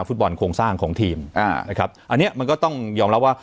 โครงสร้างของทีมอ่านะครับอันเนี้ยมันก็ต้องยอมรับว่า